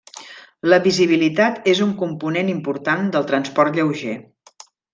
La visibilitat és un component important del transport lleuger.